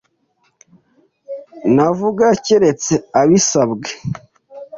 Ntavuga keretse abisabwe.